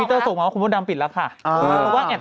พี่โมดำปิดแล้ว